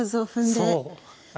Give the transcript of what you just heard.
そう！